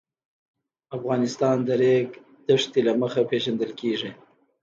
افغانستان د د ریګ دښتې له مخې پېژندل کېږي.